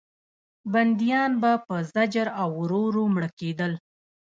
بندیان به په زجر او ورو ورو مړه کېدل.